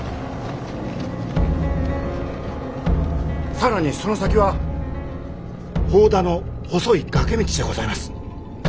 更にその先は祝田の細い崖道でございます。